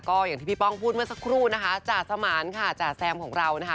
ก็อย่างที่พี่ป้องพูดเมื่อสักครู่นะคะจ่าสมานค่ะจ่าแซมของเรานะคะ